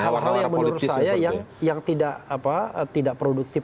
hal hal yang menurut saya yang tidak produktif